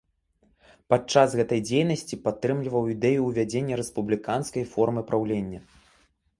Падчас гэтай дзейнасці падтрымліваў ідэю ўвядзення рэспубліканскай формы праўлення.